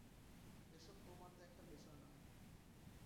এসব তোমার দেখার বিষয় না।